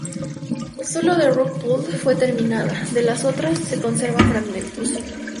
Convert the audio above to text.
Solo "The Rock Pool" fue terminada, de las otras se conservan fragmentos.